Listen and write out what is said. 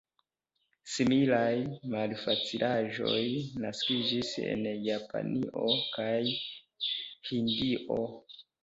Similaj malfacilaĵoj naskiĝis en Japanio kaj Hindio.